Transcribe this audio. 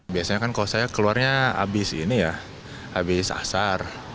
biasanya kalau saya keluarnya habis asar